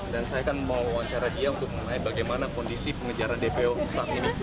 dan saya akan mewawancara dia untuk mengenai bagaimana kondisi pengejaran dpo saat ini